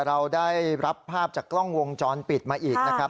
เราได้รับภาพจากกล้องวงจรปิดมาอีกนะครับ